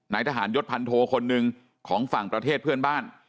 ทหารยศพันโทคนหนึ่งของฝั่งประเทศเพื่อนบ้าน